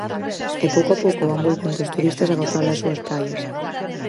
E pouco a pouco van volvendo os turistas a gozar das súas praias.